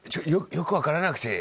よく分からなくて。